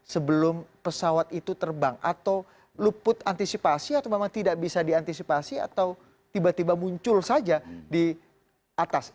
sebelum pesawat itu terbang atau luput antisipasi atau memang tidak bisa diantisipasi atau tiba tiba muncul saja di atas